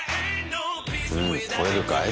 うん取れるかい？